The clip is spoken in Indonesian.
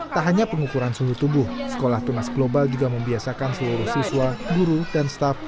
tak hanya pengukuran suhu tubuh sekolah tunas global juga membiasakan seluruh siswa guru dan staff